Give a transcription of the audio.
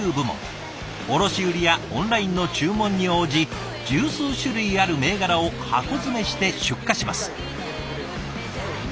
卸売りやオンラインの注文に応じ十数種類ある銘柄を箱詰めして出荷します。